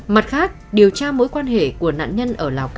mặt khác điều tra mối quan hệ của nạn nhân ở lào cai